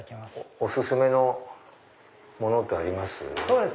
お薦めのものってあります？